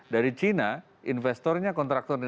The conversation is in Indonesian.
dari cina investornya kontraktornya